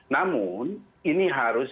namun ini harus